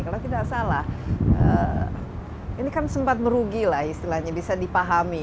kalau tidak salah ini kan sempat merugi lah istilahnya bisa dipahami